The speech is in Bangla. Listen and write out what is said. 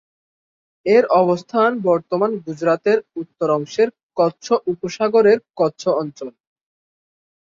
এর অবস্থান, বর্তমান গুজরাতের উত্তর অংশের কচ্ছ উপসাগরের কচ্ছ অঞ্চল।